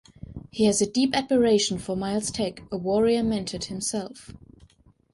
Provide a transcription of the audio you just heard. He has a deep admiration for Miles Teg, a warrior-Mentat himself.